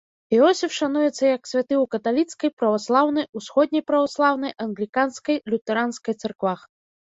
Іосіф шануецца як святы ў каталіцкай, праваслаўнай, усходняй праваслаўнай, англіканскай, лютэранскай цэрквах.